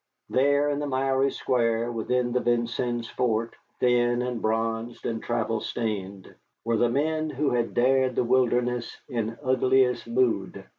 There, in the miry square within the Vincennes fort, thin and bronzed and travel stained, were the men who had dared the wilderness in ugliest mood.